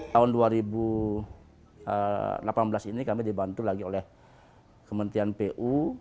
tahun dua ribu delapan belas ini kami dibantu lagi oleh kementerian pu